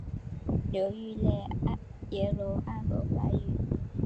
流域内岩溶暗河发育。